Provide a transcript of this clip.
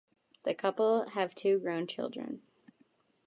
The couple have two grown children.